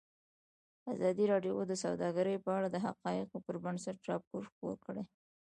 ازادي راډیو د سوداګري په اړه د حقایقو پر بنسټ راپور خپور کړی.